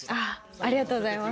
ありがとうございます。